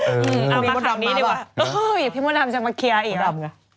เอามาข่าวนี้ดีกว่าพี่มดดำจะมาเคลียร์อีกรอบไง